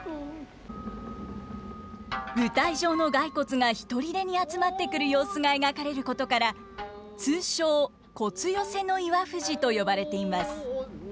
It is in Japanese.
舞台上の骸骨がひとりでに集まってくる様子が描かれることから通称「骨寄せの岩藤」と呼ばれています。